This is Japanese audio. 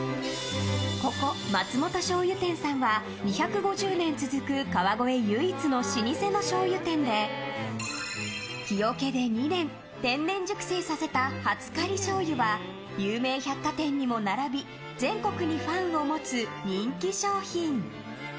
ここ、松本醤油店さんは２５０年続く川越唯一の老舗の醤油店で木桶で２年、天然熟成させたはつかり醤油は有名百貨店にも並び全国にファンを持つ人気商品。